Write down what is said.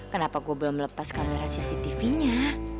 kenapa gue belum lepas kamera cctv nya